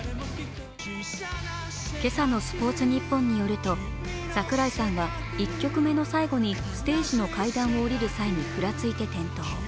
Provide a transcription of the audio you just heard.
今朝の「スポーツニッポン」によると、櫻井さんは１曲目の最後にステージの階段を下りる際にふらついて転倒。